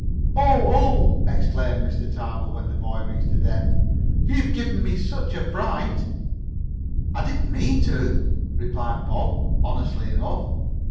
"Oh! Oh!" exclaimed Mr. Tarbill when the boy reached the deck. "You've given me such a fright!" "I didn't mean to," replied Bob honestly enough.